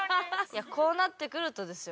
いやこうなってくるとですよ。